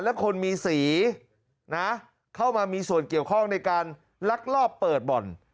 และคนมีสีนะเข้ามามีส่วนเกี่ยวข้องในการลักลอบเปิดบ่อน